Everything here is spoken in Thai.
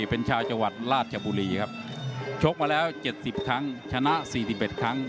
เป็นชาวจังหวัดราชบุรีครับชกมาแล้วเจ็ดสิบครั้งชนะสี่สิบเอ็ดครั้ง